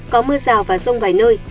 có mưa rào và rông vài nơi